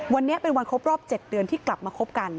วันนี้เป็นวันครบรอบ๗เดือนที่กลับมาคบกัน